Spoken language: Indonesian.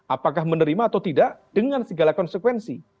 apakah menerima atau tidak dengan segala konsekuensi